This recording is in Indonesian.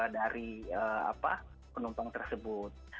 dari penumpang tersebut